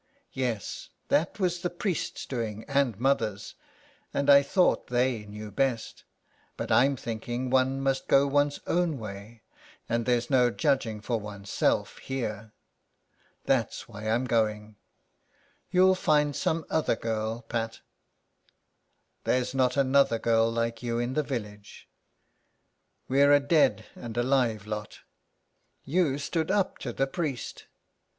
" Yes, that was the priest's doing and mother's, and I thought they knew best. But I'm thinking one must go one's own way, and there's no judging for one's self here. That's why I'm going. You'll find some other girl, Pat." There's not another girl like you in the village. We're a dead and alive lot. You stood up to the priest."